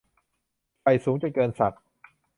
ใฝ่สูงจนเกินศักดิ์